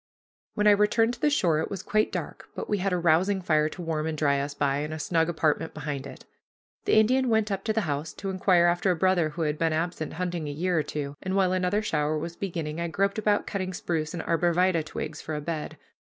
When I returned to the shore it was quite dark, but we had a rousing fire to warm and dry us by, and a snug apartment behind it. The Indian went up to the house to inquire after a brother who had been absent hunting a year or two, and while another shower was beginning, I groped about cutting spruce and arbor vitæ twigs for a bed.